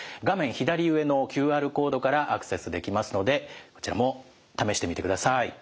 左上のＱＲコードからアクセスできますのでこちらも試してみてください。